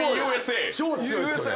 超強いっすよね。